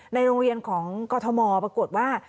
ในโรงเรียนของกรทมปรากฏว่า